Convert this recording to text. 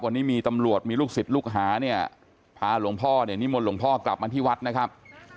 วันนี้มีตำรวจมีลูกศิษย์ลูกหาเนี่ยพาหลวงพ่อเนี่ยนิมนต์หลวงพ่อกลับมาที่วัดนะครับ